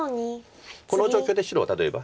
この状況で白は例えば。